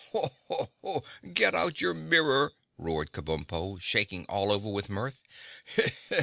"Get out your mirror!" roared Kabumpo, shaking all over with mirth.